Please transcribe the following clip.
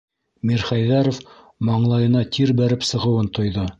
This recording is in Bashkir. - Мирхәйҙәров маңлайына тир бәреп сығыуын тойҙо.